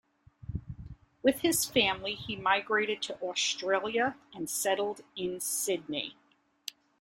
With his family he migrated to Australia and settled in Sydney.